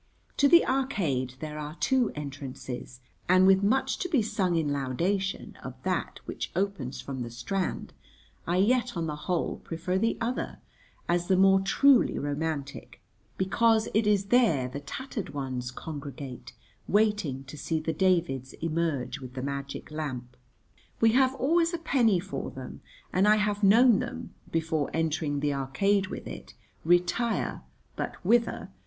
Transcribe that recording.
To the Arcade there are two entrances, and with much to be sung in laudation of that which opens from the Strand I yet on the whole prefer the other as the more truly romantic, because it is there the tattered ones congregate, waiting to see the Davids emerge with the magic lamp. We have always a penny for them, and I have known them, before entering the Arcade with it, retire (but whither?)